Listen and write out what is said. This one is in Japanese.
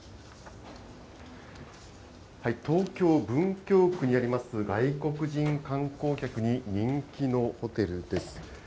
東京・文京区にあります、外国人観光客に人気のホテルです。